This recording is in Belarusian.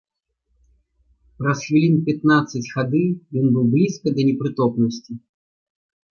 Праз хвілін пятнаццаць хады ён быў блізка да непрытомнасці.